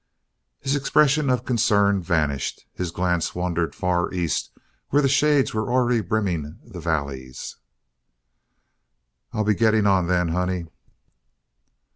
His expression of concern vanished; his glance wandered far east where the shades were already brimming the valleys. "I'll be getting on, then, honey."